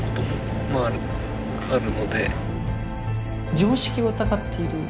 常識を疑っている。